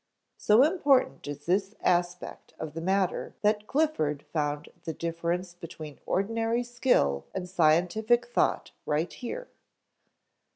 So important is this aspect of the matter that Clifford found the difference between ordinary skill and scientific thought right here.